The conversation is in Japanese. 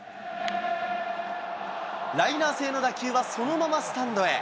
ライナー性の打球はそのままスタンドへ。